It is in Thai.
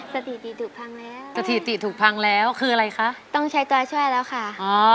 สถิติถูกพังแล้วสถิติถูกพังแล้วคืออะไรคะต้องใช้ตัวช่วยแล้วค่ะอ๋อ